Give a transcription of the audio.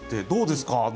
どうですか？